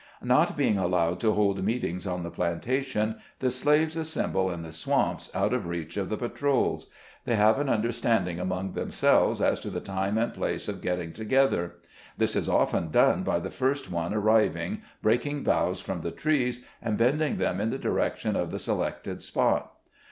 Not being allowed to hold meetings on the planta tion, the slaves assemble in the swamps, out of reach of the patrols. They have an understanding among themselves as to the time and place of get ting together. This is often done by the first one arriving breaking boughs from the trees, and bend ing them in the direction of the selected spot.